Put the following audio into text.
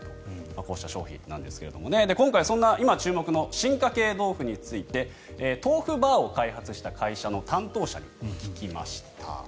こうした商品なんですけども今注目の進化系豆腐についてＴＯＦＵＢＡＲを開発した会社の担当者に聞きました。